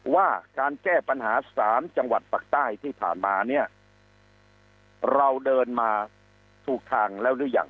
ว่าการแก้ปัญหาสามจังหวัดปักใต้ที่ผ่านมาเนี่ยเราเดินมาถูกทางแล้วหรือยัง